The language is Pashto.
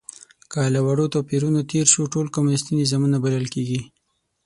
که له وړو توپیرونو تېر شو، ټول کمونیستي نظامونه بلل کېږي.